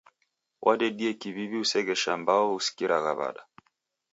Wadedie kiw'iw'I usegheshagha mbao usikiragha w'ada.